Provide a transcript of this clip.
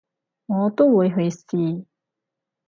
我都會去試